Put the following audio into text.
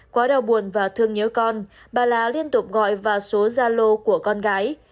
quá đau buồn và thương nhớ con bà la liên tục gọi vào số gia lô của con gái